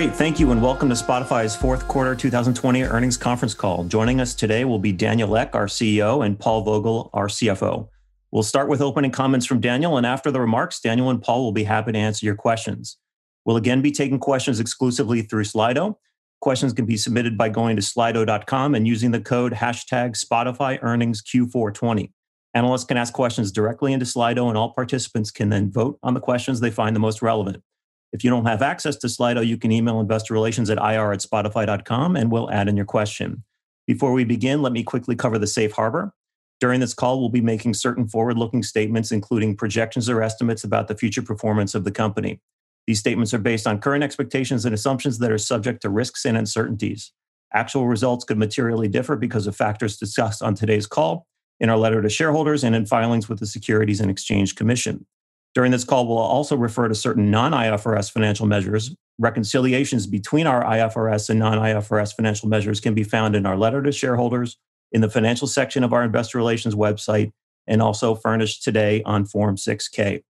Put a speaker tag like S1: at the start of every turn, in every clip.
S1: Great. Thank you, and welcome to Spotify's fourth quarter 2020 earnings conference call. Joining us today will be Daniel Ek, our CEO, and Paul Vogel, our CFO. We'll start with opening comments from Daniel, and after the remarks, Daniel and Paul will be happy to answer your questions. We'll again be taking questions exclusively through Slido. Questions can be submitted by going to slido.com and using the code #SpotifyEarningsQ420. Analysts can ask questions directly into Slido, and all participants can then vote on the questions they find the most relevant. If you don't have access to Slido, you can email investor relations at ir@spotify.com and we'll add in your question. Before we begin, let me quickly cover the safe harbor. During this call, we'll be making certain forward-looking statements, including projections or estimates about the future performance of the company. These statements are based on current expectations and assumptions that are subject to risks and uncertainties. Actual results could materially differ because of factors discussed on today's call, in our letter to shareholders, and in filings with the Securities and Exchange Commission. During this call, we'll also refer to certain non-IFRS financial measures. Reconciliations between our IFRS and non-IFRS financial measures can be found in our letter to shareholders, in the financial section of our investor relations website, and also furnished today on Form 6-K.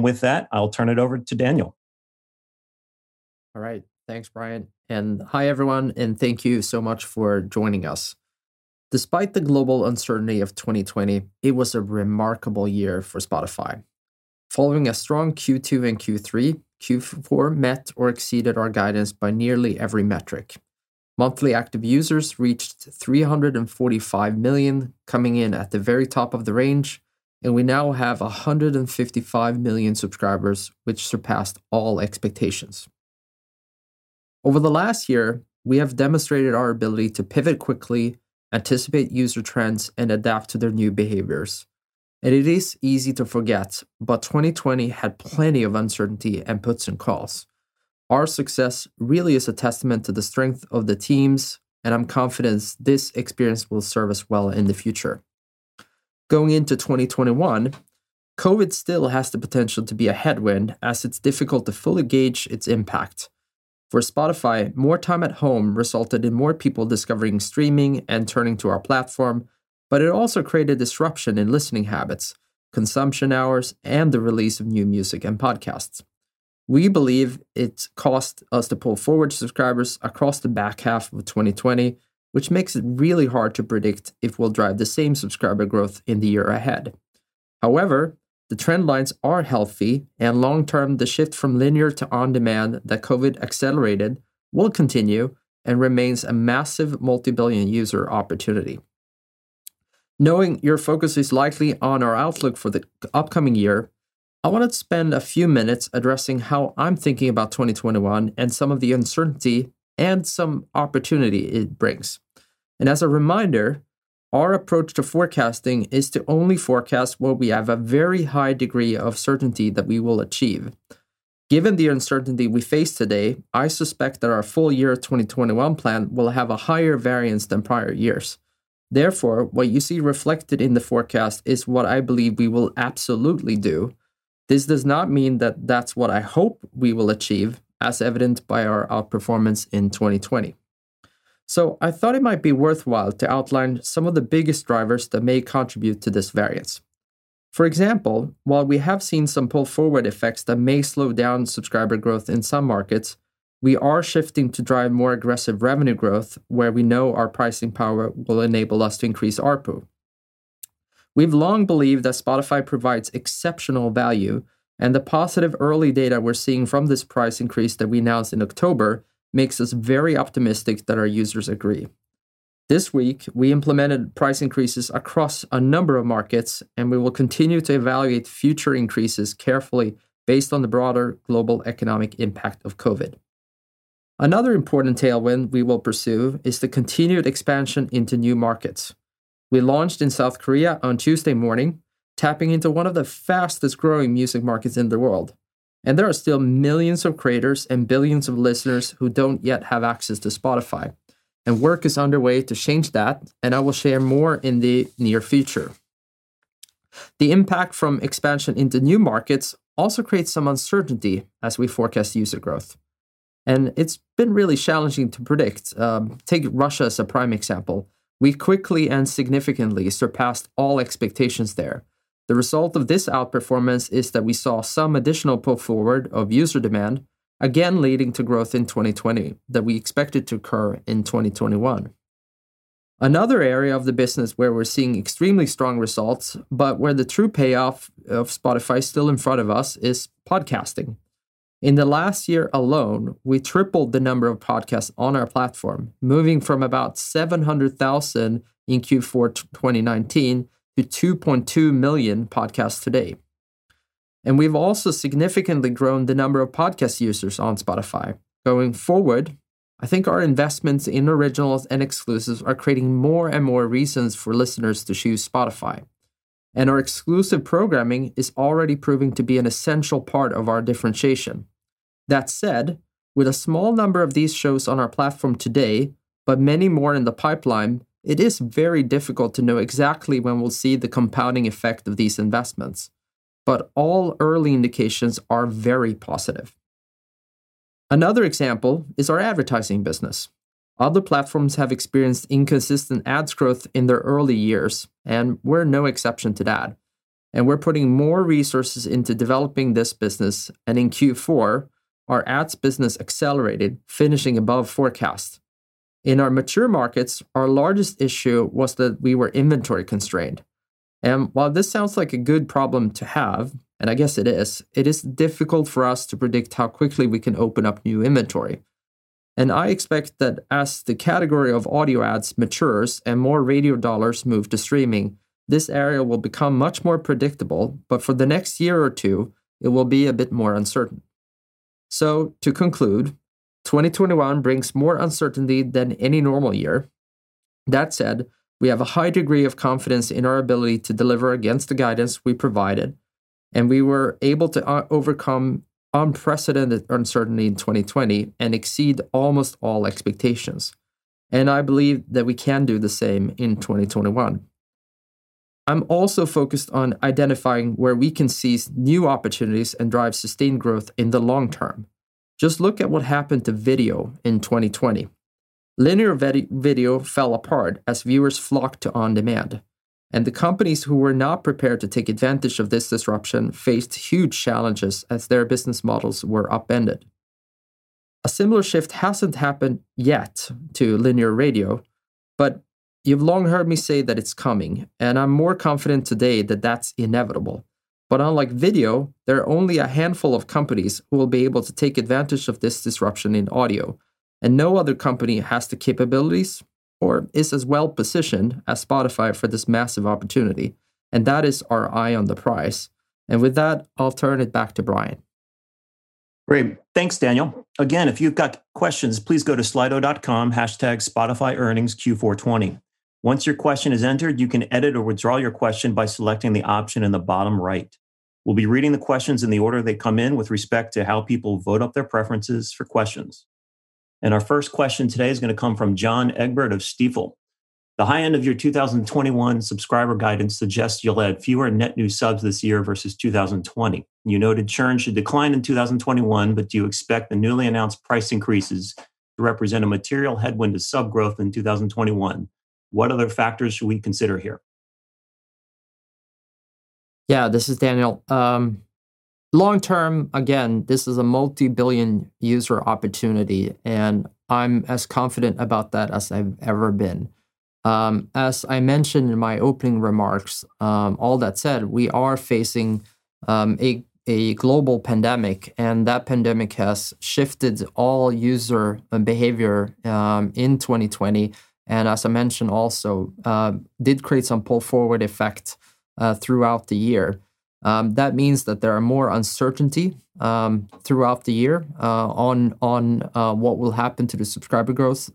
S1: With that, I'll turn it over to Daniel.
S2: All right. Thanks, Bryan, hi, everyone, and thank you so much for joining us. Despite the global uncertainty of 2020, it was a remarkable year for Spotify. Following a strong Q2 and Q3, Q4 met or exceeded our guidance by nearly every metric. Monthly active users reached 345 million, coming in at the very top of the range, we now have 155 million subscribers, which surpassed all expectations. Over the last year, we have demonstrated our ability to pivot quickly, anticipate user trends, and adapt to their new behaviors. It is easy to forget, 2020 had plenty of uncertainty and puts and calls. Our success really is a testament to the strength of the teams, I'm confident this experience will serve us well in the future. Going into 2021, COVID still has the potential to be a headwind, as it's difficult to fully gauge its impact. For Spotify, more time at home resulted in more people discovering streaming and turning to our platform, but it also created disruption in listening habits, consumption hours, and the release of new music and podcasts. We believe it caused us to pull forward subscribers across the back half of 2020, which makes it really hard to predict if we'll drive the same subscriber growth in the year ahead. The trend lines are healthy and long-term, the shift from linear to on-demand that COVID accelerated will continue and remains a massive multi-billion-user opportunity. Knowing your focus is likely on our outlook for the upcoming year, I want to spend a few minutes addressing how I'm thinking about 2021 and some of the uncertainty and some opportunity it brings. As a reminder, our approach to forecasting is to only forecast what we have a very high degree of certainty that we will achieve. Given the uncertainty we face today, I suspect that our full year 2021 plan will have a higher variance than prior years. Therefore, what you see reflected in the forecast is what I believe we will absolutely do. This does not mean that that's what I hope we will achieve, as evidenced by our outperformance in 2020. I thought it might be worthwhile to outline some of the biggest drivers that may contribute to this variance. For example, while we have seen some pull-forward effects that may slow down subscriber growth in some markets, we are shifting to drive more aggressive revenue growth where we know our pricing power will enable us to increase ARPU. We've long believed that Spotify provides exceptional value, and the positive early data we're seeing from this price increase that we announced in October makes us very optimistic that our users agree. This week, we implemented price increases across a number of markets, and we will continue to evaluate future increases carefully based on the broader global economic impact of COVID. Another important tailwind we will pursue is the continued expansion into new markets. We launched in South Korea on Tuesday morning, tapping into one of the fastest-growing music markets in the world. There are still millions of creators and billions of listeners who don't yet have access to Spotify. Work is underway to change that, and I will share more in the near future. The impact from expansion into new markets also creates some uncertainty as we forecast user growth. It's been really challenging to predict. Take Russia as a prime example. We quickly and significantly surpassed all expectations there. The result of this outperformance is that we saw some additional pull forward of user demand, again leading to growth in 2020 that we expected to occur in 2021. Another area of the business where we're seeing extremely strong results, but where the true payoff of Spotify is still in front of us, is podcasting. In the last one year alone, we tripled the number of podcasts on our platform, moving from about 700,000 in Q4 2019 to 2.2 million podcasts today. We've also significantly grown the number of podcast users on Spotify. Going forward, I think our investments in originals and exclusives are creating more and more reasons for listeners to choose Spotify. Our exclusive programming is already proving to be an essential part of our differentiation. That said, with a small number of these shows on our platform today, but many more in the pipeline, it is very difficult to know exactly when we'll see the compounding effect of these investments. All early indications are very positive. Another example is our advertising business. Other platforms have experienced inconsistent ads growth in their early years, and we're no exception to that. We're putting more resources into developing this business, and in Q4, our ads business accelerated, finishing above forecast. In our mature markets, our largest issue was that we were inventory constrained. While this sounds like a good problem to have, and I guess it is, it is difficult for us to predict how quickly we can open up new inventory. I expect that as the category of audio ads matures and more radio dollars move to streaming, this area will become much more predictable, but for the next year or two, it will be a bit more uncertain. To conclude, 2021 brings more uncertainty than any normal year. That said, we have a high degree of confidence in our ability to deliver against the guidance we provided, and we were able to overcome unprecedented uncertainty in 2020 and exceed almost all expectations. I believe that we can do the same in 2021. I'm also focused on identifying where we can seize new opportunities and drive sustained growth in the long term. Just look at what happened to video in 2020. Linear video fell apart as viewers flocked to on-demand, and the companies who were not prepared to take advantage of this disruption faced huge challenges as their business models were upended. A similar shift hasn't happened yet to linear radio, but you've long heard me say that it's coming, and I'm more confident today that that's inevitable. Unlike video, there are only a handful of companies who will be able to take advantage of this disruption in audio, and no other company has the capabilities or is as well positioned as Spotify for this massive opportunity, and that is our eye on the prize. With that, I'll turn it back to Bryan.
S1: Great. Thanks, Daniel. If you've got questions, please go to slido.com, #SpotifyEarningsQ420. Once your question is entered, you can edit or withdraw your question by selecting the option in the bottom right. We'll be reading the questions in the order they come in with respect to how people vote up their preferences for questions. Our first question today is going to come from John Egbert of Stifel. The high end of your 2021 subscriber guidance suggests you'll add fewer net new subs this year versus 2020. You noted churn should decline in 2021, but do you expect the newly announced price increases to represent a material headwind to sub growth in 2021? What other factors should we consider here?
S2: This is Daniel. Long term, again, this is a multi-billion user opportunity, and I'm as confident about that as I've ever been. As I mentioned in my opening remarks, all that said, we are facing a global pandemic, and that pandemic has shifted all user behavior in 2020, and as I mentioned also, did create some pull-forward effect throughout the year. That means that there are more uncertainty throughout the year on what will happen to the subscriber growth.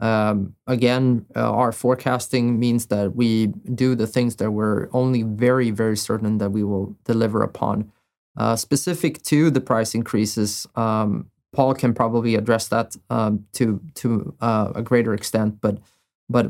S2: Again, our forecasting means that we do the things that we're only very certain that we will deliver upon. Specific to the price increases, Paul can probably address that to a greater extent, but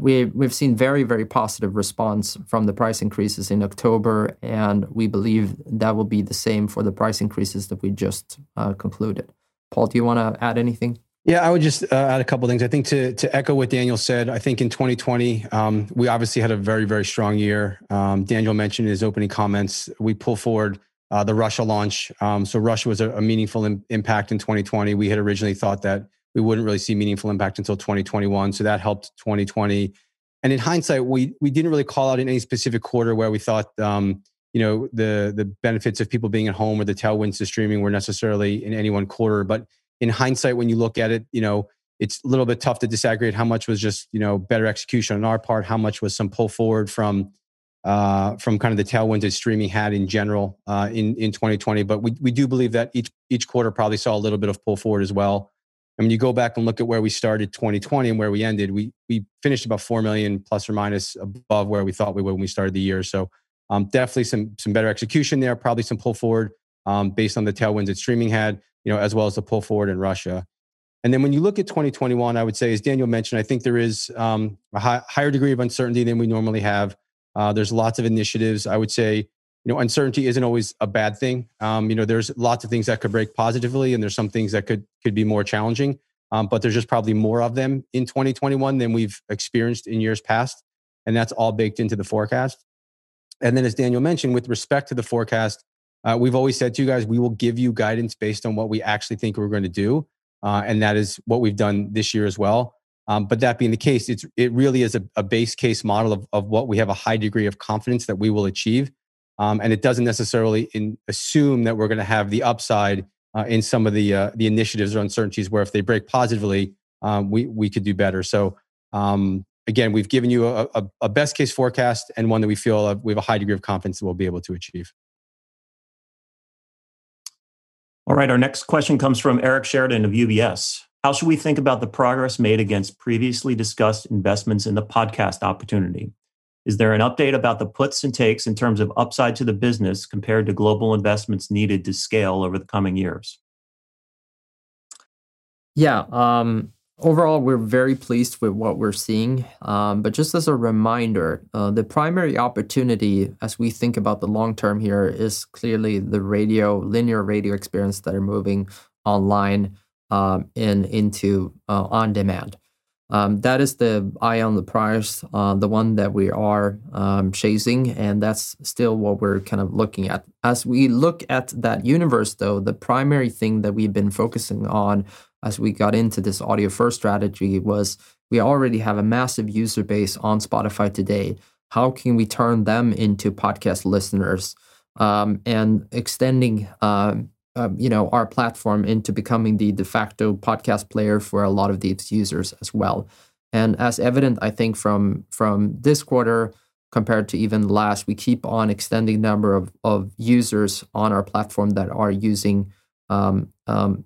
S2: we've seen very positive response from the price increases in October, and we believe that will be the same for the price increases that we just concluded. Paul, do you want to add anything?
S3: Yeah, I would just add a couple of things. I think to echo what Daniel said, I think in 2020, we obviously had a very strong year. Daniel mentioned in his opening comments, we pulled forward the Russia launch. Russia was a meaningful impact in 2020. We had originally thought that we wouldn't really see meaningful impact until 2021, that helped 2020. In hindsight, we didn't really call out any specific quarter where we thought the benefits of people being at home or the tailwinds to streaming were necessarily in any one quarter. In hindsight, when you look at it's a little bit tough to disaggregate how much was just better execution on our part, how much was some pull forward from the tailwind that streaming had in general in 2020. We do believe that each quarter probably saw a little bit of pull forward as well. When you go back and look at where we started 2020 and where we ended, we finished about 4 million plus or minus above where we thought we were when we started the year. Definitely some better execution there, probably some pull forward based on the tailwinds that streaming had, as well as the pull forward in Russia. When you look at 2021, I would say, as Daniel mentioned, I think there is a higher degree of uncertainty than we normally have. There's lots of initiatives. I would say, uncertainty isn't always a bad thing. There's lots of things that could break positively, and there's some things that could be more challenging. There's just probably more of them in 2021 than we've experienced in years past, and that's all baked into the forecast. Then, as Daniel mentioned, with respect to the forecast, we've always said to you guys, we will give you guidance based on what we actually think we're going to do, and that is what we've done this year as well. That being the case, it really is a base case model of what we have a high degree of confidence that we will achieve, and it doesn't necessarily assume that we're going to have the upside in some of the initiatives or uncertainties, where if they break positively, we could do better. Again, we've given you a best case forecast and one that we feel we have a high degree of confidence that we'll be able to achieve.
S1: All right. Our next question comes from Eric Sheridan of UBS. How should we think about the progress made against previously discussed investments in the podcast opportunity? Is there an update about the puts and takes in terms of upside to the business compared to global investments needed to scale over the coming years?
S2: Yeah. Overall, we're very pleased with what we're seeing. Just as a reminder, the primary opportunity as we think about the long term here is clearly the linear radio experience that are moving online and into on-demand. That is the eye on the prize, the one that we are chasing, and that's still what we're kind of looking at. As we look at that universe, though, the primary thing that we've been focusing on as we got into this audio-first strategy was we already have a massive user base on Spotify today. How can we turn them into podcast listeners, and extending our platform into becoming the de facto podcast player for a lot of these users as well? As evident, I think, from this quarter compared to even last, we keep on extending the number of users on our platform that are using podcasts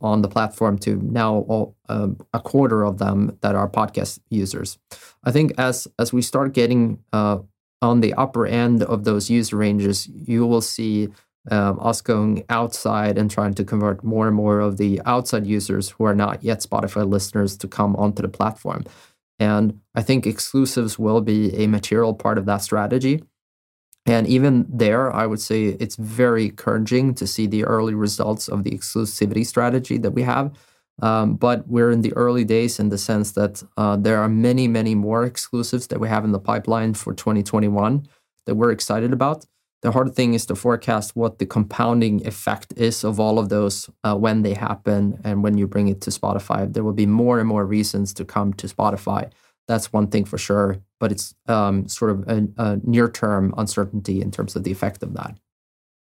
S2: on the platform to now a quarter of them that are podcast users. I think as we start getting on the upper end of those user ranges, you will see us going outside and trying to convert more and more of the outside users who are not yet Spotify listeners to come onto the platform. I think exclusives will be a material part of that strategy. Even there, I would say it's very encouraging to see the early results of the exclusivity strategy that we have. We're in the early days in the sense that there are many more exclusives that we have in the pipeline for 2021 that we're excited about. The hard thing is to forecast what the compounding effect is of all of those when they happen and when you bring it to Spotify. There will be more and more reasons to come to Spotify. That's one thing for sure, but it's sort of a near-term uncertainty in terms of the effect of that.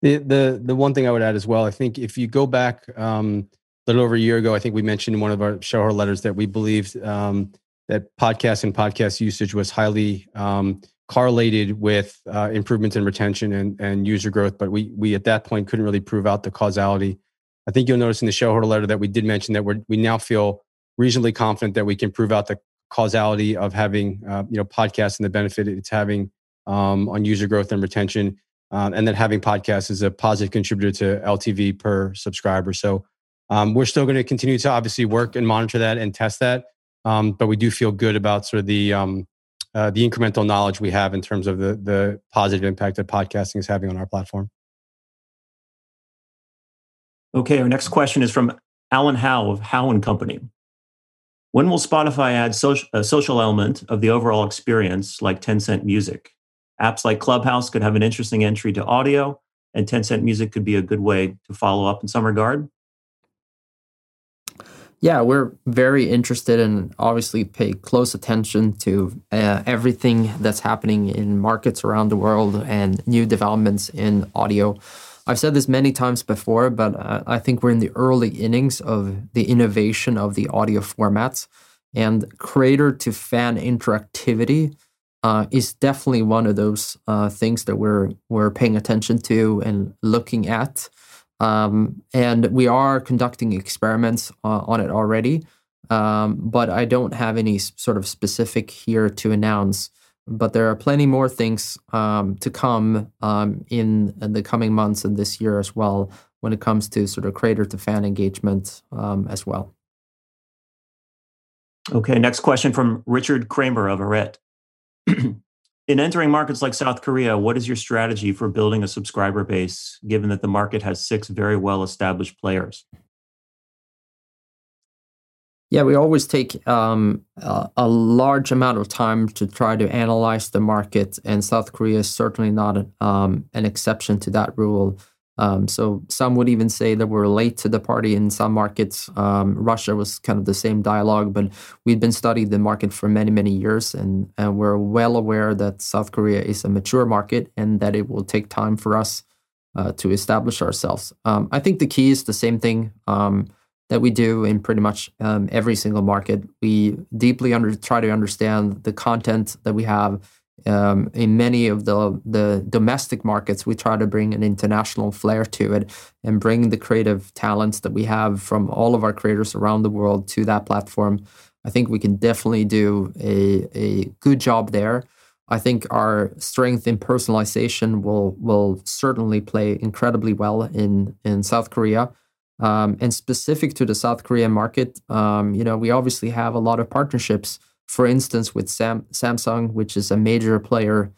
S3: The one thing I would add as well, I think if you go back a little over a year ago, I think we mentioned in one of our shareholder letters that we believed that podcasts and podcast usage was highly correlated with improvements in retention and user growth, but we at that point couldn't really prove out the causality. I think you'll notice in the shareholder letter that we did mention that we now feel reasonably confident that we can prove out the causality of having podcasts and the benefit it's having on user growth and retention, and that having podcasts is a positive contributor to LTV per subscriber. We're still going to continue to obviously work and monitor that and test that, but we do feel good about sort of the incremental knowledge we have in terms of the positive impact that podcasting is having on our platform.
S1: Okay, our next question is from Alan Howe of Howe & Company. When will Spotify add a social element of the overall experience like Tencent Music? Apps like Clubhouse could have an interesting entry to audio. Tencent Music could be a good way to follow up in some regard.
S2: Yeah, we're very interested and obviously pay close attention to everything that's happening in markets around the world and new developments in audio. I've said this many times before, but I think we're in the early innings of the innovation of the audio formats, and creator-to-fan interactivity is definitely one of those things that we're paying attention to and looking at. We are conducting experiments on it already, but I don't have any sort of specific here to announce. There are plenty more things to come in the coming months and this year as well when it comes to sort of creator-to-fan engagement as well.
S1: Okay, next question from Richard Kramer of Arete. In entering markets like South Korea, what is your strategy for building a subscriber base, given that the market has six very well-established players?
S2: We always take a large amount of time to try to analyze the market, and South Korea is certainly not an exception to that rule. Some would even say that we're late to the party in some markets. Russia was kind of the same dialogue, but we've been studying the market for many years, and we're well aware that South Korea is a mature market and that it will take time for us to establish ourselves. I think the key is the same thing that we do in pretty much every single market. We deeply try to understand the content that we have. In many of the domestic markets, we try to bring an international flair to it and bring the creative talents that we have from all of our creators around the world to that platform. I think we can definitely do a good job there. I think our strength in personalization will certainly play incredibly well in South Korea. Specific to the South Korean market, we obviously have a lot of partnerships, for instance, with Samsung, which is a major player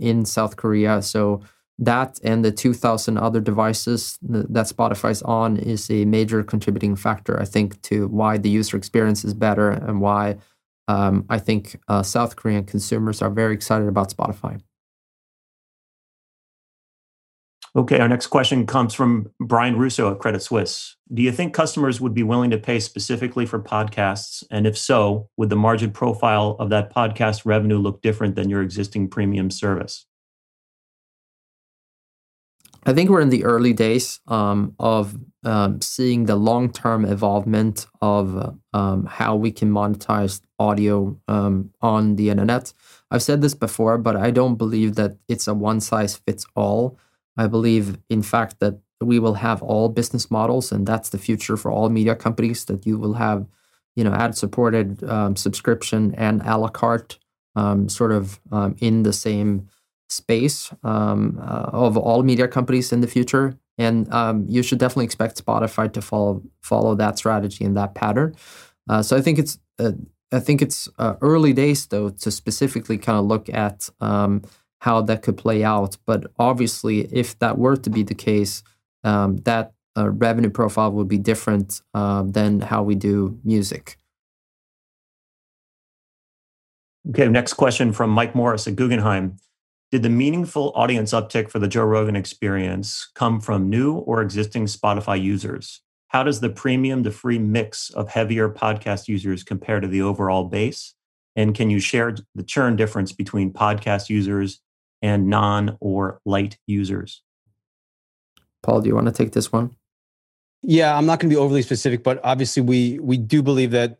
S2: in South Korea. That and the 2,000 other devices that Spotify's on is a major contributing factor, I think, to why the user experience is better and why, I think, South Korean consumers are very excited about Spotify.
S1: Okay, our next question comes from Brian Russo of Credit Suisse. Do you think customers would be willing to pay specifically for podcasts, and if so, would the margin profile of that podcast revenue look different than your existing premium service?
S2: I think we're in the early days of seeing the long-term evolvement of how we can monetize audio on the internet. I've said this before, but I don't believe that it's a one-size-fits-all. I believe, in fact, that we will have all business models, and that's the future for all media companies, that you will have ad-supported, subscription, and à la carte sort of in the same space of all media companies in the future, and you should definitely expect Spotify to follow that strategy and that pattern. I think it's early days, though, to specifically look at how that could play out. Obviously, if that were to be the case, that revenue profile would be different than how we do music.
S1: Okay, next question from Mike Morris at Guggenheim. Did the meaningful audience uptick for "The Joe Rogan Experience" come from new or existing Spotify users? How does the premium-to-free mix of heavier podcast users compare to the overall base? Can you share the churn difference between podcast users and non or light users?
S2: Paul, do you want to take this one?
S3: Yeah, I'm not going to be overly specific, but obviously, we do believe that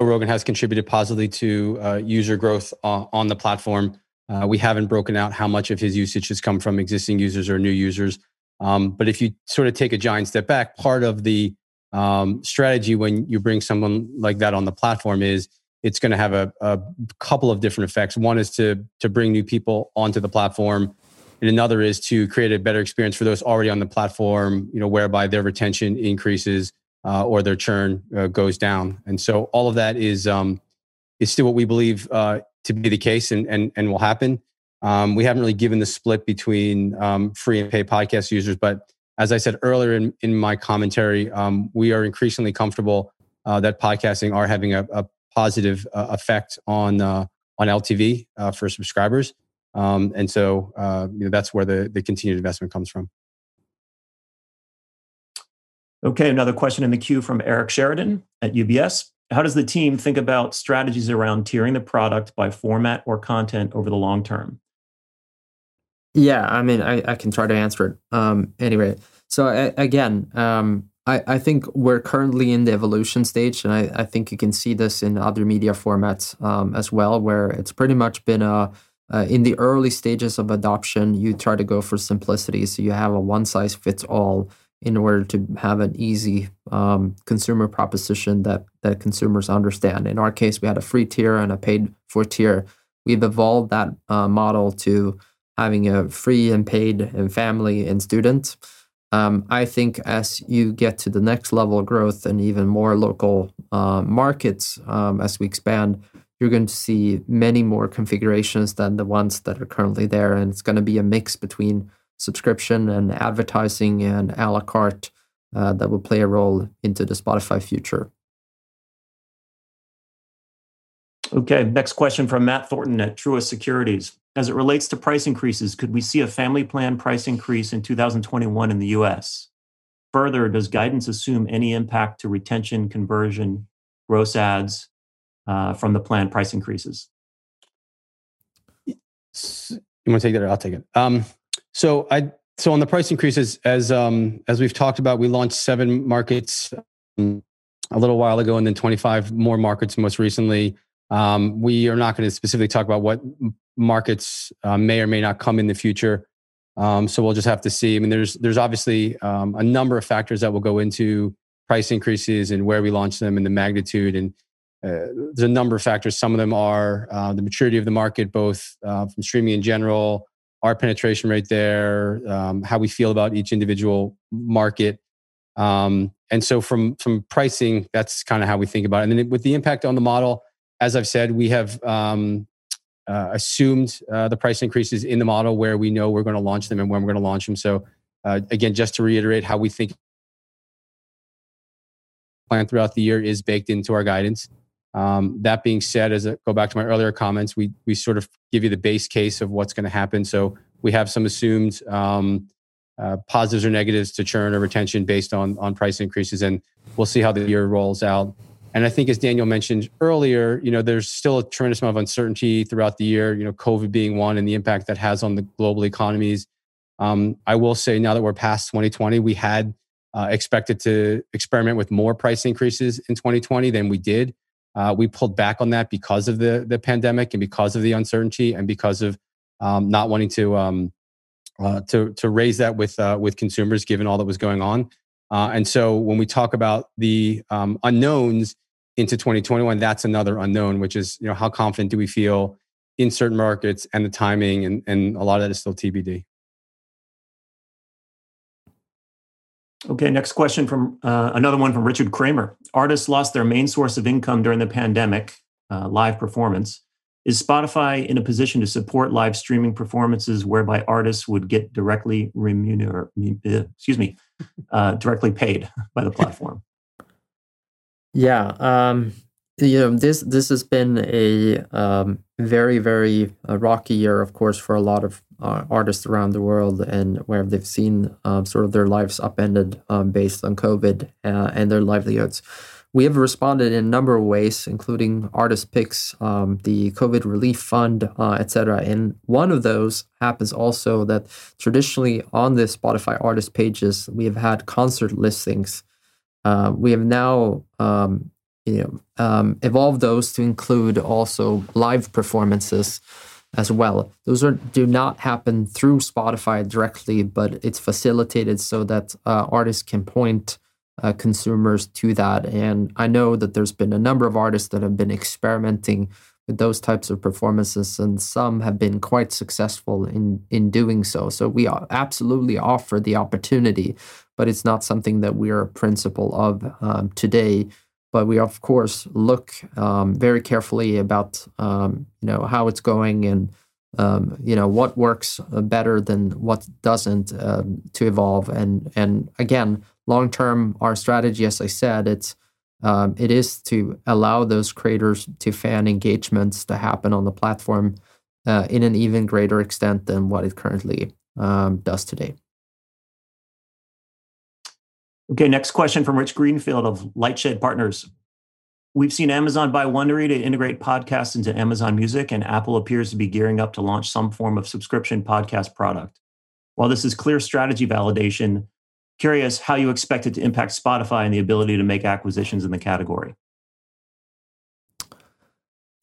S3: Rogan has contributed positively to user growth on the platform. We haven't broken out how much of his usage has come from existing users or new users. If you take a giant step back, part of the strategy when you bring someone like that on the platform is it's going to have a couple of different effects. One is to bring new people onto the platform. Another is to create a better experience for those already on the platform, whereby their retention increases, or their churn goes down. All of that is still what we believe to be the case and will happen. We haven't really given the split between free and paid podcast users, as I said earlier in my commentary, we are increasingly comfortable that podcasting are having a positive effect on LTV for subscribers. That's where the continued investment comes from.
S1: Okay, another question in the queue from Eric Sheridan at UBS. How does the team think about strategies around tiering the product by format or content over the long term?
S2: Yeah, I can try to answer it anyway. Again, I think we're currently in the evolution stage, and I think you can see this in other media formats as well, where it's pretty much been in the early stages of adoption, you try to go for simplicity. You have a one size fits all in order to have an easy consumer proposition that consumers understand. In our case, we had a free tier and a paid-for tier. We've evolved that model to having a free and paid, and family and student. I think as you get to the next level of growth and even more local markets, as we expand, you're going to see many more configurations than the ones that are currently there, and it's going to be a mix between subscription and advertising and à la carte that will play a role into the Spotify future.
S1: Okay. Next question from Matt Thornton at Truist Securities. As it relates to price increases, could we see a family plan price increase in 2021 in the U.S.? Further, does guidance assume any impact to retention, conversion, gross adds from the planned price increases?
S3: You want to take it or I'll take it? On the price increases, as we've talked about, we launched seven markets a little while ago and then 25 more markets most recently. We are not going to specifically talk about what markets may or may not come in the future, so we'll just have to see. There's obviously a number of factors that will go into price increases and where we launch them and the magnitude, and the number of factors. Some of them are the maturity of the market, both from streaming in general, our penetration rate there, how we feel about each individual market. From pricing, that's kind of how we think about it. With the impact on the model, as I've said, we have assumed the price increases in the model where we know we're going to launch them and when we're going to launch them. Again, just to reiterate how we think plan throughout the year is baked into our guidance. That being said, as I go back to my earlier comments, we sort of give you the base case of what's going to happen. We have some assumed positives or negatives to churn or retention based on price increases, and we'll see how the year rolls out. I think as Daniel mentioned earlier, there's still a tremendous amount of uncertainty throughout the year, COVID being one, and the impact that has on the global economies. I will say now that we're past 2020, we had expected to experiment with more price increases in 2020 than we did. We pulled back on that because of the pandemic and because of the uncertainty and because of not wanting to raise that with consumers, given all that was going on. When we talk about the unknowns into 2021, that's another unknown, which is how confident do we feel in certain markets and the timing, and a lot of that is still TBD.
S1: Okay, next question, another one from Richard Kramer. Artists lost their main source of income during the pandemic, live performance. Is Spotify in a position to support live streaming performances whereby artists would get directly paid by the platform?
S2: Yeah. This has been a very rocky year, of course, for a lot of artists around the world and where they've seen sort of their lives upended based on COVID and their livelihoods. We have responded in a number of ways, including Artist Picks, the COVID Relief Fund, et cetera. One of those happens also that traditionally on the Spotify artist pages, we have had concert listings. We have now evolved those to include also live performances as well. Those do not happen through Spotify directly, but it's facilitated so that artists can point consumers to that. I know that there's been a number of artists that have been experimenting with those types of performances, and some have been quite successful in doing so. We absolutely offer the opportunity, but it's not something that we are a principle of today. We, of course, look very carefully about how it's going and what works better than what doesn't to evolve, and again, long-term, our strategy, as I said, it is to allow those creators to fan engagements to happen on the platform in an even greater extent than what it currently does today.
S1: Okay, next question from Rich Greenfield of LightShed Partners. "We've seen Amazon buy Wondery to integrate podcasts into Amazon Music, and Apple appears to be gearing up to launch some form of subscription podcast product. While this is clear strategy validation, curious how you expect it to impact Spotify and the ability to make acquisitions in the category?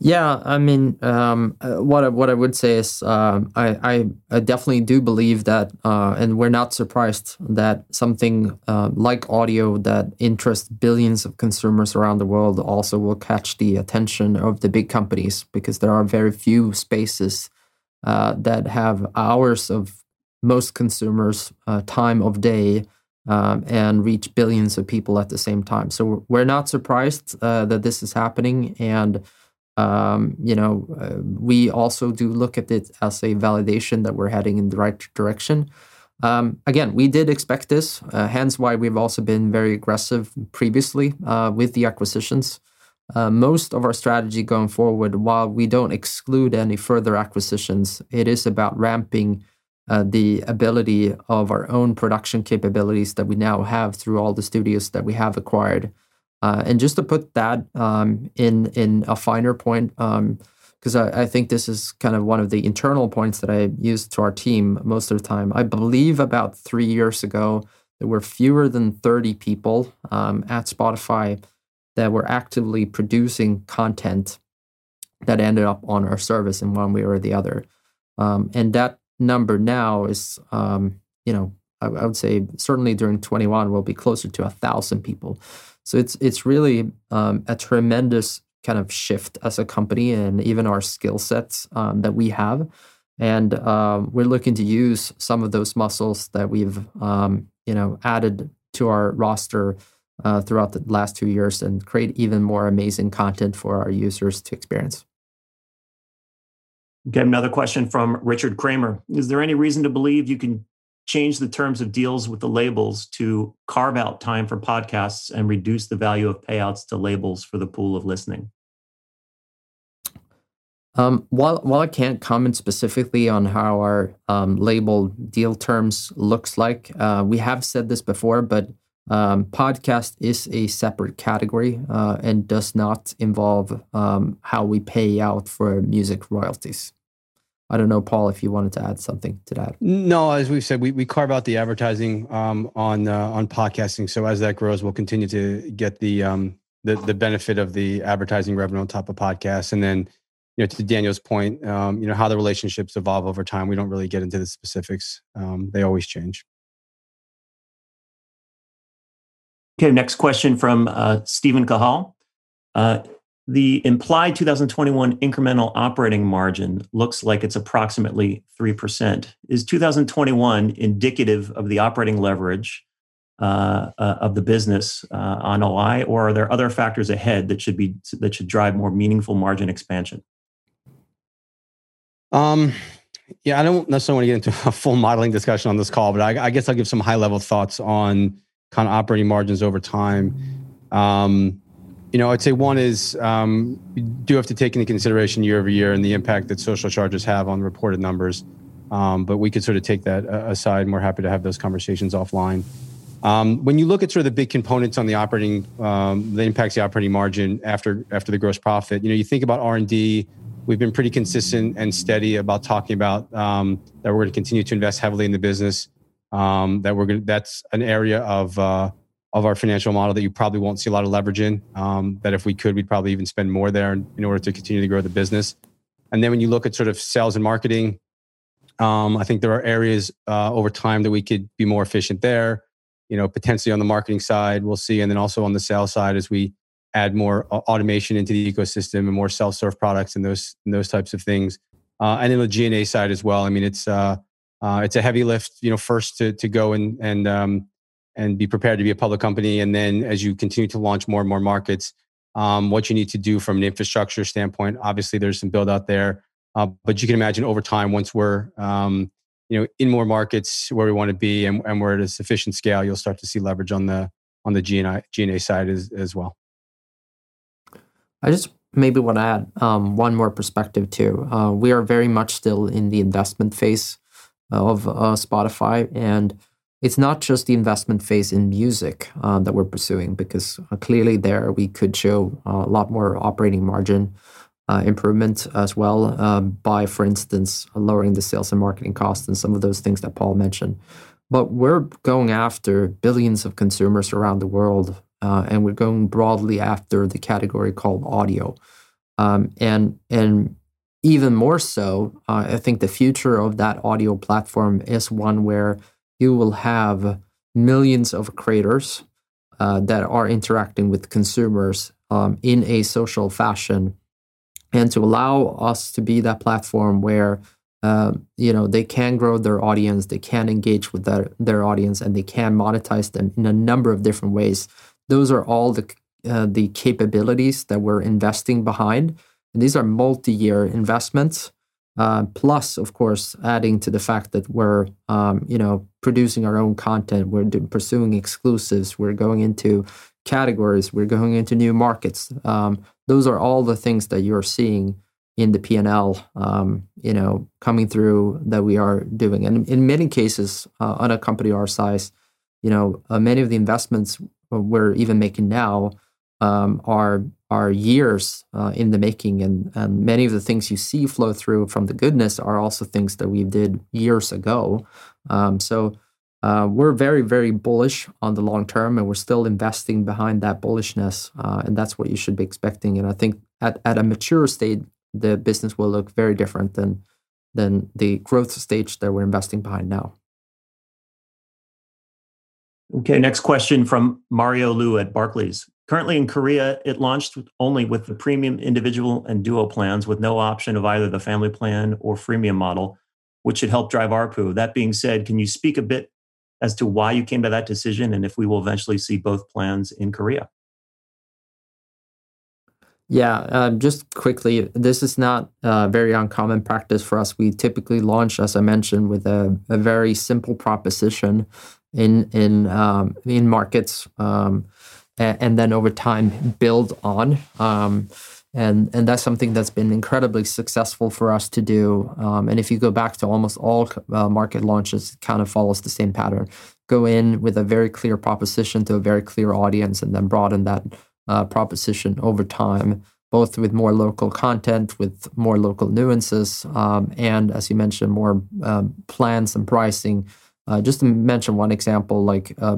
S2: What I would say is, I definitely do believe that, and we're not surprised that something like audio that interests billions of consumers around the world also will catch the attention of the big companies, because there are very few spaces that have hours of most consumers' time of day, and reach billions of people at the same time. We're not surprised that this is happening, and we also do look at it as a validation that we're heading in the right direction. Again, we did expect this, hence why we've also been very aggressive previously with the acquisitions. Most of our strategy going forward, while we don't exclude any further acquisitions, it is about ramping the ability of our own production capabilities that we now have through all the studios that we have acquired. Just to put that in a finer point, because I think this is one of the internal points that I use to our team most of the time. I believe about three years ago, there were fewer than 30 people at Spotify that were actively producing content that ended up on our service in one way or the other. That number now is, I would say certainly during 2021, will be closer to 1,000 people. It's really a tremendous kind of shift as a company, and even our skillsets that we have. We're looking to use some of those muscles that we've added to our roster throughout the last two years and create even more amazing content for our users to experience.
S1: Another question from Richard Kramer, "Is there any reason to believe you can change the terms of deals with the labels to carve out time for podcasts and reduce the value of payouts to labels for the pool of listening?
S2: While I can't comment specifically on how our label deal terms looks like, we have said this before, but podcast is a separate category, and does not involve how we pay out for music royalties. I don't know, Paul, if you wanted to add something to that.
S3: No, as we've said, we carve out the advertising on podcasting, so as that grows, we'll continue to get the benefit of the advertising revenue on top of podcasts. Then, to Daniel's point, how the relationships evolve over time, we don't really get into the specifics. They always change.
S1: Okay, next question from Steven Cahall. "The implied 2021 incremental operating margin looks like it's approximately 3%. Is 2021 indicative of the operating leverage of the business on OI, or are there other factors ahead that should drive more meaningful margin expansion?
S3: Yeah, I don't necessarily want to get into a full modeling discussion on this call, but I guess I'll give some high-level thoughts on kind of operating margins over time. I'd say one is, you do have to take into consideration year-over-year and the impact that social charges have on reported numbers, but we could sort of take that aside, and we're happy to have those conversations offline. When you look at sort of the big components on the operating, that impacts the operating margin after the gross profit, you think about R&D, we've been pretty consistent and steady about talking about that we're going to continue to invest heavily in the business, that's an area of our financial model that you probably won't see a lot of leverage in, that if we could, we'd probably even spend more there in order to continue to grow the business. When you look at sort of sales and marketing, I think there are areas over time that we could be more efficient there, potentially on the marketing side, we'll see. Also on the sales side as we add more automation into the ecosystem and more self-serve products and those types of things. The G&A side as well. It's a heavy lift first to go and be prepared to be a public company. As you continue to launch more and more markets, what you need to do from an infrastructure standpoint, obviously, there's some build-out there. You can imagine over time once we're in more markets where we want to be and we're at a sufficient scale, you'll start to see leverage on the G&A side as well.
S2: I just maybe want to add one more perspective, too. We are very much still in the investment phase of Spotify. It's not just the investment phase in music that we're pursuing, because clearly there we could show a lot more operating margin improvement as well by, for instance, lowering the sales and marketing costs and some of those things that Paul mentioned. We're going after billions of consumers around the world. We're going broadly after the category called audio. Even more so, I think the future of that audio platform is one where you will have millions of creators that are interacting with consumers in a social fashion. To allow us to be that platform where they can grow their audience, they can engage with their audience, and they can monetize them in a number of different ways. Those are all the capabilities that we're investing behind. These are multi-year investments. Of course, adding to the fact that we're producing our own content, we're pursuing exclusives, we're going into categories, we're going into new markets. Those are all the things that you're seeing in the P&L coming through that we are doing. In many cases, on a company our size, many of the investments we're even making now are years in the making. Many of the things you see flow through from the goodness are also things that we did years ago. We're very bullish on the long term, and we're still investing behind that bullishness. That's what you should be expecting. I think at a mature state, the business will look very different than the growth stage that we're investing behind now.
S1: Okay. Next question from Mario Lu at Barclays. Currently in Korea, it launched only with the premium individual and duo plans with no option of either the family plan or freemium model, which should help drive ARPU. That being said, can you speak a bit as to why you came to that decision and if we will eventually see both plans in Korea?
S2: Yeah. Just quickly, this is not a very uncommon practice for us. We typically launch, as I mentioned, with a very simple proposition in markets, and then over time, build on. That's something that's been incredibly successful for us to do. If you go back to almost all market launches, kind of follows the same pattern. Go in with a very clear proposition to a very clear audience, and then broaden that proposition over time, both with more local content, with more local nuances, and as you mentioned, more plans and pricing. Just to mention one example,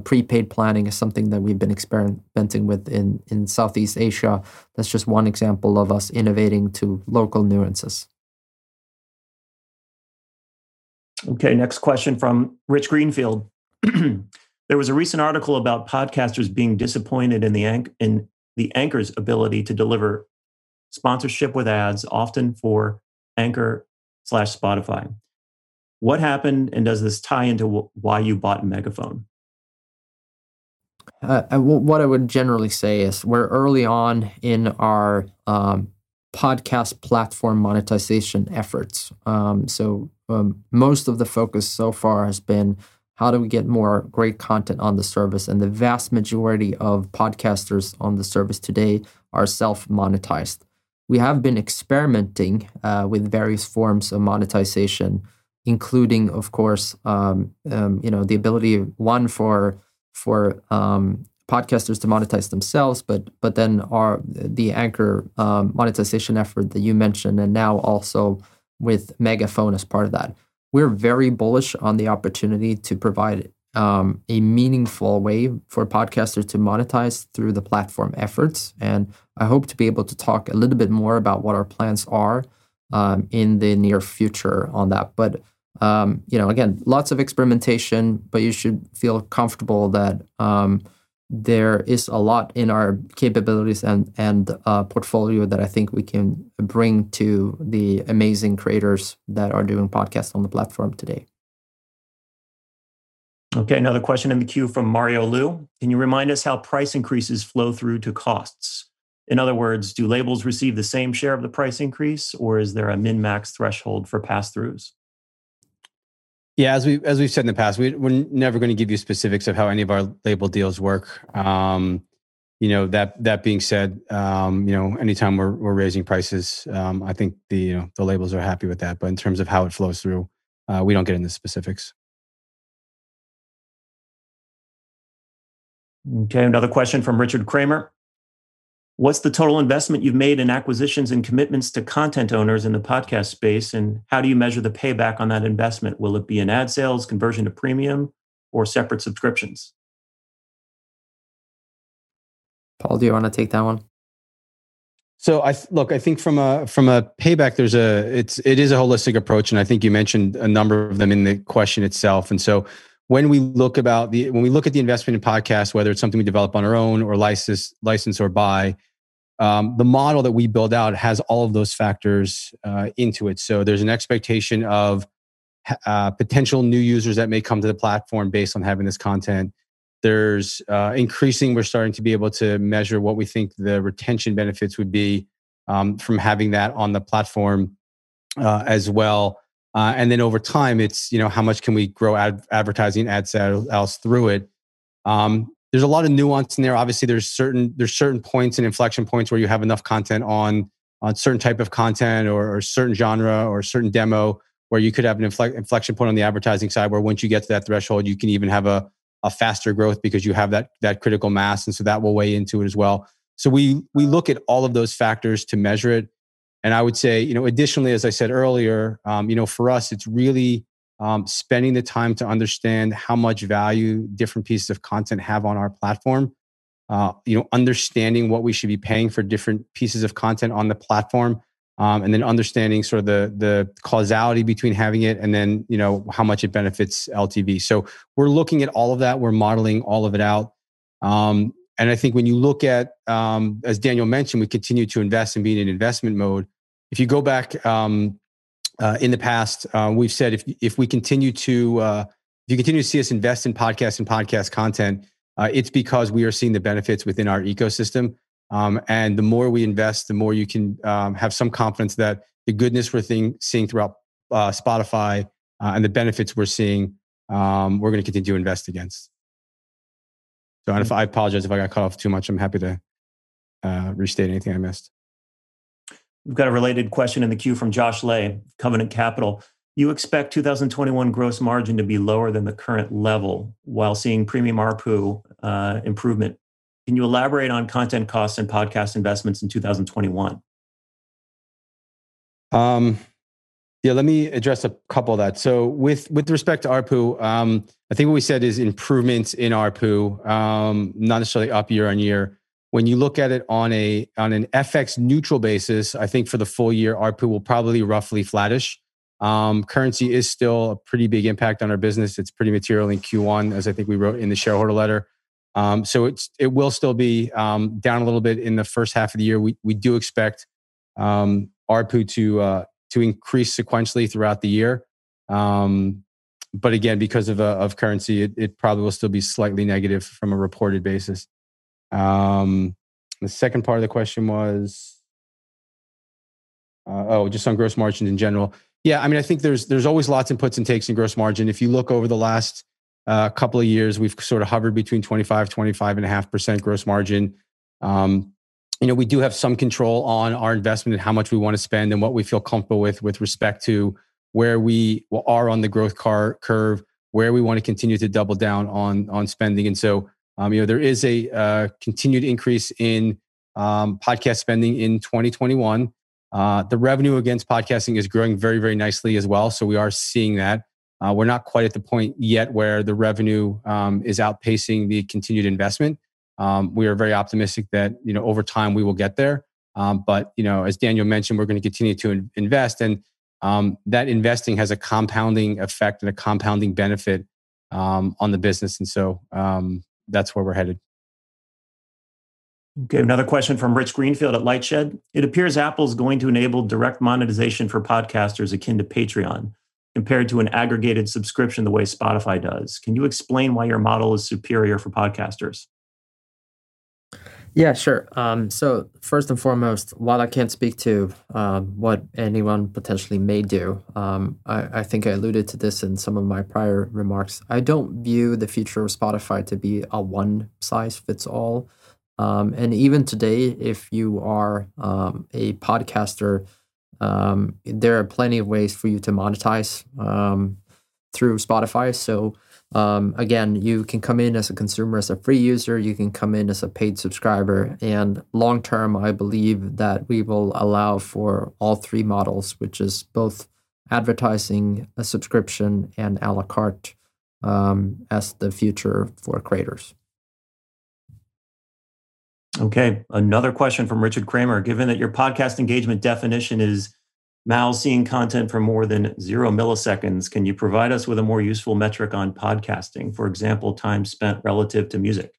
S2: prepaid planning is something that we've been experimenting with in Southeast Asia. That's just one example of us innovating to local nuances.
S1: Okay, next question from Rich Greenfield. There was a recent article about podcasters being disappointed in the Anchor's ability to deliver sponsorship with ads, often for Anchor/Spotify. What happened, and does this tie into why you bought Megaphone?
S2: What I would generally say is we're early on in our podcast platform monetization efforts. Most of the focus so far has been how do we get more great content on the service, and the vast majority of podcasters on the service today are self-monetized. We have been experimenting with various forms of monetization, including, of course, the ability, one, for podcasters to monetize themselves, but then the Anchor monetization effort that you mentioned, and now also with Megaphone as part of that. We're very bullish on the opportunity to provide a meaningful way for podcasters to monetize through the platform efforts. I hope to be able to talk a little bit more about what our plans are in the near future on that. Again, lots of experimentation, but you should feel comfortable that there is a lot in our capabilities and portfolio that I think we can bring to the amazing creators that are doing podcasts on the platform today.
S1: Okay, another question in the queue from Mario Lu. Can you remind us how price increases flow through to costs? In other words, do labels receive the same share of the price increase, or is there a min-max threshold for passthroughs?
S3: As we've said in the past, we're never going to give you specifics of how any of our label deals work. That being said, anytime we're raising prices, I think the labels are happy with that. In terms of how it flows through, we don't get into specifics.
S1: Okay, another question from Richard Kramer. What's the total investment you've made in acquisitions and commitments to content owners in the podcast space, and how do you measure the payback on that investment? Will it be in ad sales, conversion to premium, or separate subscriptions?
S2: Paul, do you want to take that one?
S3: Look, I think from a payback, it is a holistic approach, and I think you mentioned a number of them in the question itself. When we look at the investment in podcasts, whether it's something we develop on our own or license or buy, the model that we build out has all of those factors into it. There's an expectation of potential new users that may come to the platform based on having this content. We're starting to be able to measure what we think the retention benefits would be from having that on the platform as well. Over time, it's how much can we grow advertising ad sales through it? There's a lot of nuance in there. Obviously, there's certain points and inflection points where you have enough content on a certain type of content or a certain genre or a certain demo where you could have an inflection point on the advertising side where once you get to that threshold, you can even have a faster growth because you have that critical mass, and so that will weigh into it as well. We look at all of those factors to measure it, and I would say, additionally, as I said earlier, for us, it's really spending the time to understand how much value different pieces of content have on our platform. Understanding what we should be paying for different pieces of content on the platform, and then understanding sort of the causality between having it and then how much it benefits LTV. We're looking at all of that. We're modeling all of it out. I think when you look at, as Daniel mentioned, we continue to invest and be in an investment mode. If you go back in the past, we've said if you continue to see us invest in podcasts and podcast content, it's because we are seeing the benefits within our ecosystem. The more we invest, the more you can have some confidence that the goodness we're seeing throughout Spotify, and the benefits we're seeing, we're going to continue to invest against. I apologize if I got cut off too much. I'm happy to restate anything I missed.
S1: We've got a related question in the queue from Josh Le, Covenant Capital. You expect 2021 gross margin to be lower than the current level while seeing premium ARPU improvement. Can you elaborate on content costs and podcast investments in 2021?
S3: Let me address a couple of that. With respect to ARPU, I think what we said is improvements in ARPU, not necessarily up year-over-year. When you look at it on an FX neutral basis, I think for the full year, ARPU will probably be roughly flattish. Currency is still a pretty big impact on our business. It's pretty material in Q1, as I think we wrote in the shareholder letter. It will still be down a little bit in the first half of the year. We do expect ARPU to increase sequentially throughout the year. Again, because of currency, it probably will still be slightly negative from a reported basis. The second part of the question was? Just on gross margin in general. I think there's always lots of puts and takes in gross margin. If you look over the last couple of years, we've sort of hovered between 25%, 25.5% gross margin. We do have some control on our investment and how much we want to spend and what we feel comfortable with respect to where we are on the growth curve, where we want to continue to double down on spending. There is a continued increase in podcast spending in 2021. The revenue against podcasting is growing very, very nicely as well, so we are seeing that. We're not quite at the point yet where the revenue is outpacing the continued investment. We are very optimistic that, over time we will get there. As Daniel mentioned, we're going to continue to invest and that investing has a compounding effect and a compounding benefit on the business, and so that's where we're headed.
S1: Okay, another question from Rich Greenfield at LightShed. It appears Apple's going to enable direct monetization for podcasters akin to Patreon, compared to an aggregated subscription the way Spotify does. Can you explain why your model is superior for podcasters?
S2: Yeah, sure. First and foremost, while I can't speak to what anyone potentially may do, I think I alluded to this in some of my prior remarks. I don't view the future of Spotify to be a one size fits all. Even today, if you are a podcaster, there are plenty of ways for you to monetize through Spotify. Again, you can come in as a consumer, as a free user, you can come in as a paid subscriber, and long term, I believe that we will allow for all three models, which is both advertising, a subscription, and à la carte, as the future for creators.
S1: Okay, another question from Richard Kramer. Given that your podcast engagement definition is now seeing content for more than zero milliseconds, can you provide us with a more useful metric on podcasting? For example, time spent relative to music.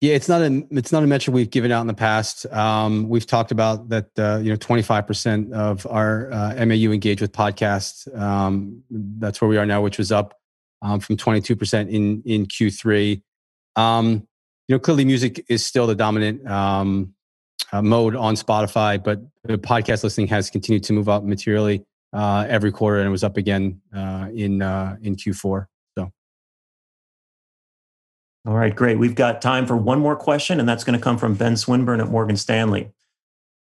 S3: Yeah, it's not a metric we've given out in the past. We've talked about that 25% of our MAU engage with podcasts. That's where we are now, which was up from 22% in Q3. Clearly music is still the dominant mode on Spotify, but podcast listening has continued to move up materially every quarter and it was up again in Q4.
S1: All right. Great. We've got time for one more question. That's going to come from Ben Swinburne at Morgan Stanley.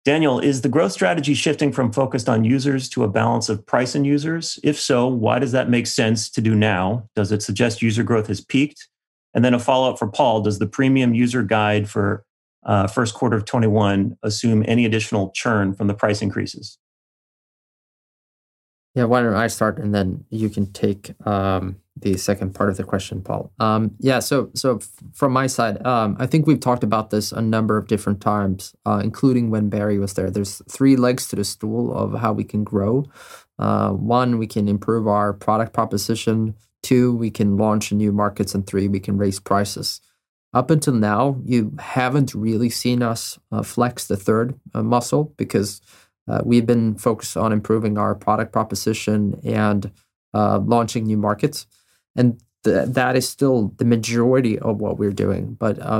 S1: Daniel, is the growth strategy shifting from focused on users to a balance of price and users? If so, why does that make sense to do now? Does it suggest user growth has peaked? A follow-up for Paul, does the premium user guide for first quarter of 2021 assume any additional churn from the price increases?
S2: Why don't I start and then you can take the second part of the question, Paul. From my side, I think we've talked about this a number of different times, including when Barry was there. There's three legs to the stool of how we can grow. One, we can improve our product proposition, two, we can launch new markets, three, we can raise prices. Up until now, you haven't really seen us flex the third muscle because we've been focused on improving our product proposition and launching new markets. That is still the majority of what we're doing.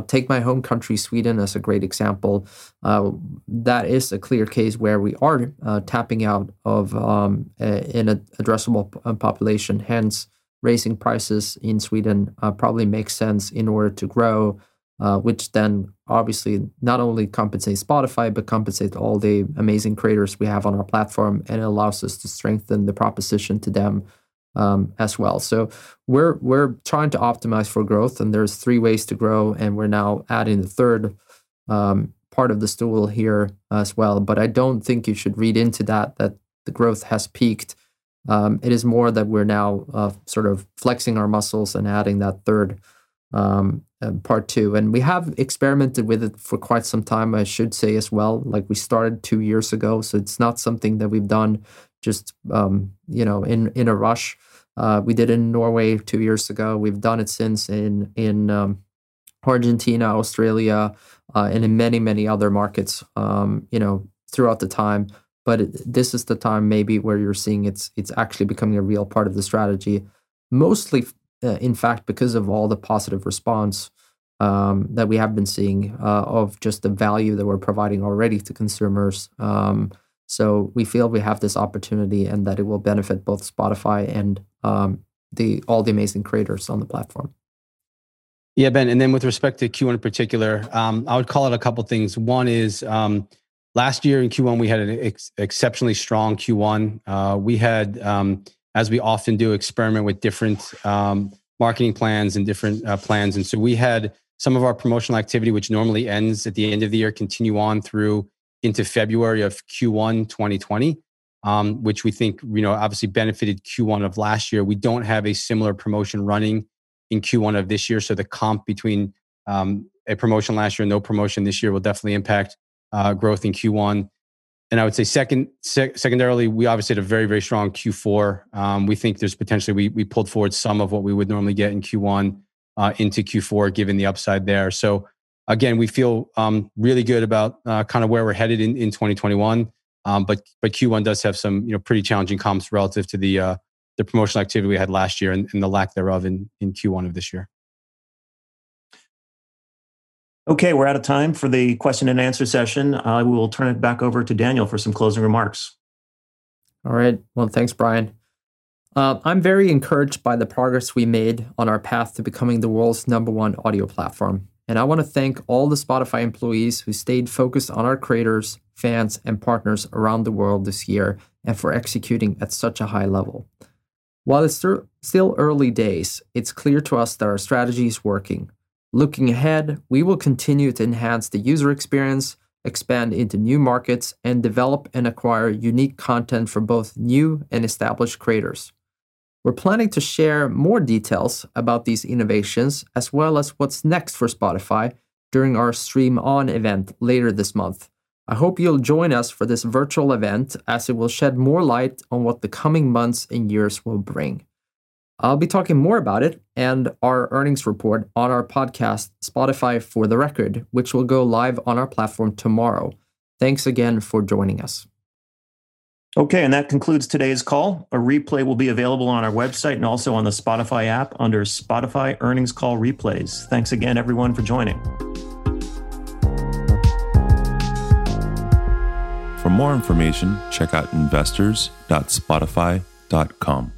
S2: Take my home country, Sweden, as a great example. That is a clear case where we are tapping out of an addressable population, hence, raising prices in Sweden probably makes sense in order to grow, which then obviously not only compensates Spotify, but compensates all the amazing creators we have on our platform, and allows us to strengthen the proposition to them as well. We're trying to optimize for growth, and there's three ways to grow, and we're now adding the third part of the stool here as well. I don't think you should read into that the growth has peaked. It is more that we're now sort of flexing our muscles and adding that third part too. We have experimented with it for quite some time, I should say as well. We started two years ago, so it's not something that we've done just in a rush. We did it in Norway two years ago. We've done it since in Argentina, Australia, and in many other markets throughout the time. This is the time maybe where you're seeing it's actually becoming a real part of the strategy. Mostly, in fact, because of all the positive response that we have been seeing of just the value that we're providing already to consumers. We feel we have this opportunity and that it will benefit both Spotify and all the amazing creators on the platform.
S3: Yeah, Ben, with respect to Q1 in particular, I would call it a couple things. One is, last year in Q1, we had an exceptionally strong Q1. We had, as we often do, experiment with different marketing plans and different plans. We had some of our promotional activity, which normally ends at the end of the year, continue on through into February of Q1 2020, which we think obviously benefited Q1 of last year. We don't have a similar promotion running in Q1 of this year, the comp between a promotion last year and no promotion this year will definitely impact growth in Q1. I would say secondarily, we obviously had a very strong Q4. We think there's potentially, we pulled forward some of what we would normally get in Q1 into Q4, given the upside there. Again, we feel really good about where we're headed in 2021. Q1 does have some pretty challenging comps relative to the promotional activity we had last year and the lack thereof in Q1 of this year.
S1: Okay, we're out of time for the question and answer session. I will turn it back over to Daniel for some closing remarks.
S2: All right. Well, thanks, Bryan. I'm very encouraged by the progress we made on our path to becoming the world's number one audio platform, and I want to thank all the Spotify employees who stayed focused on our creators, fans, and partners around the world this year and for executing at such a high level. While it's still early days, it's clear to us that our strategy is working. Looking ahead, we will continue to enhance the user experience, expand into new markets, and develop and acquire unique content from both new and established creators. We're planning to share more details about these innovations, as well as what's next for Spotify during our Stream On event later this month. I hope you'll join us for this virtual event, as it will shed more light on what the coming months and years will bring. I'll be talking more about it and our earnings report on our podcast, "Spotify: For the Record," which will go live on our platform tomorrow. Thanks again for joining us.
S1: Okay, that concludes today's call. A replay will be available on our website and also on the Spotify app under Spotify Earnings Call Replays. Thanks again, everyone, for joining. For more information, check out investors.spotify.com.